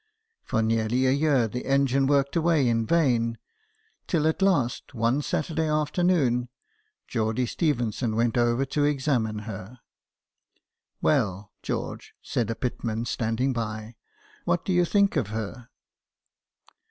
For nearly a year the engine worked away in vain, till at last, one Saturday afternoon, Geordie Stephenson went over to examine her. " Well, George," said a pitman, standing by, " what do you think of her